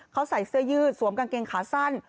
เขาใส่เสื้อยืดสวมกางเกงขาสั้น